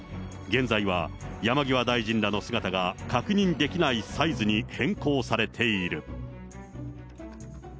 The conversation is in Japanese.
現在は、山際大臣らの姿が確認できないサイズに変更されている。